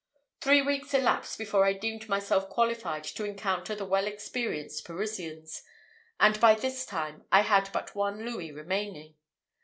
Three weeks elapsed before I deemed myself qualified to encounter the well experienced Parisians; and by this time I had but one louis remaining.